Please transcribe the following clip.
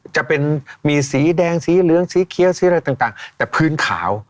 จะมีสีแดงสีเหลืองสีเขียวสีอะไรต่างแต่พื้นขาว